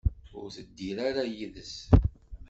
Ur teddir ara yid-s.